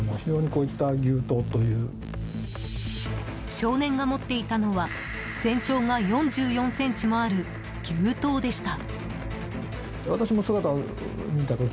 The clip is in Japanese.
少年が持っていたのは全長が４４ｃｍもある牛刀でした。